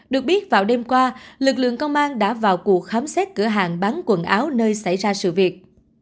được biết vào đêm qua lực lượng công an đã vào cuộc khám xét cửa hàng bán quần áo nơi xảy ra sự việc